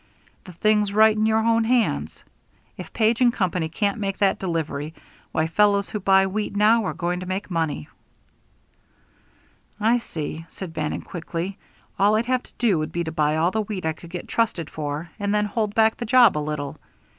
The thing's right in your own hands. If Page & Company can't make that delivery, why, fellows who buy wheat now are going to make money." "I see," said Bannon, quickly. "All I'd have to do would be to buy all the wheat I could get trusted for and then hold back the job a little.